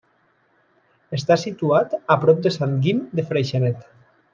Està situat a prop de Sant Guim de Freixenet.